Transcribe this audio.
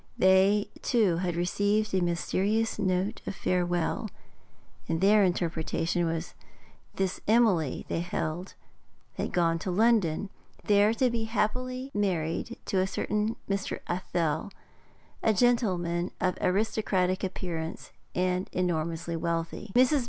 They too had received a mysterious note of farewell, and their interpretation was this Emily, they held, had gone to London, there to be happily married to a certain Mr. Athel, a gentleman of aristocratic appearance and enormously wealthy. Mrs.